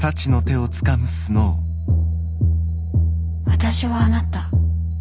私はあなた。